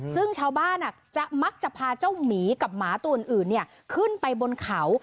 ซึ่งชาวบ้านจะมักจะพาเจ้าหมีกับหมาตัวอื่นขึ้นไปบนเขา